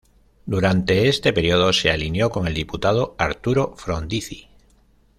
Durante ese período se alineó con el diputado Arturo Frondizi.